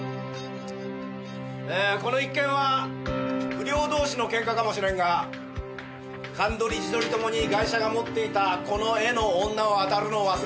えーこの一件は不良同士の喧嘩かもしれんが鑑取り地取り共にガイシャが持っていたこの絵の女を当たるのを忘れるな。